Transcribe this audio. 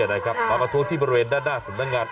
นะครับมาประท้วงที่บริเวณด้านหน้าสถานการณ์